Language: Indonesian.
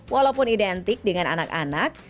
walaupun identik dengan anak anak